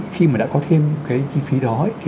khi đã có thêm chi phí đúng